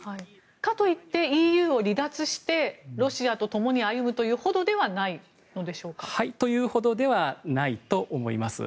かといってＥＵを離脱してロシアとともに歩むというほどではないのでしょうか。というほどではないと思います。